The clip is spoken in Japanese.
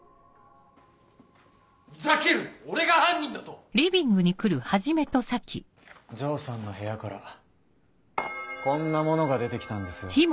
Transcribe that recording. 俺が犯人だと⁉城さんの部屋からこんな物が出て来たんですよ。